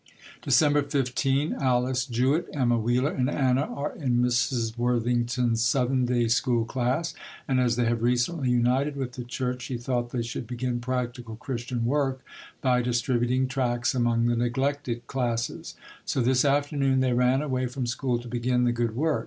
December 15. Alice Jewett, Emma Wheeler and Anna are in Mrs. Worthington's Sunday School class and as they have recently united with the church, she thought they should begin practical Christian work by distributing tracts among the neglected classes. So this afternoon they ran away from school to begin the good work.